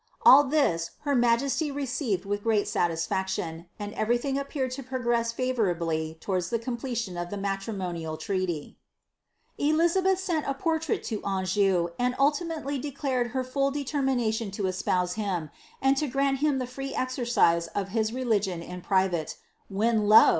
^ All this her majesty received with great satisfaction ; and ever)'thing appeared to progress favourably towards the completion ot the matrimonial treaty. Elizabeth sent her portrait to Anjou, and ultimately declared her full determination to espouse him, and to grant him the free exercise of his religion in private; when lo!